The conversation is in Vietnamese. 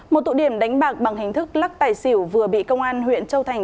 một tụ điểm đánh bạc bằng hình thức lắc tài xỉu vừa bị công an huyện châu thành